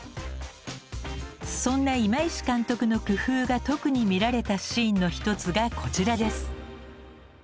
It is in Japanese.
そんな今石監督の工夫が特に見られたシーンの一つがこちらです。